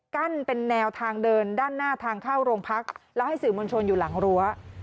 เป็นแนวทางเดินด้านหน้าทางเข้าโรงพักแล้วให้สื่อมวลชนอยู่หลังรั้ว